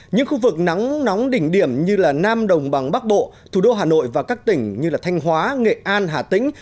những khu vực nắng nóng đỉnh điểm như nam đồng bằng bắc bộ thủ đô hà nội và các tỉnh như thanh hóa nghệ an hà tĩnh